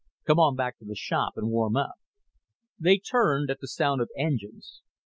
Come on back to the shop and warm up." They turned at the sound of engines.